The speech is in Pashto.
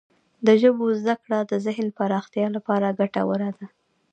د ژبو زده کړه د ذهن پراختیا لپاره ګټوره ده.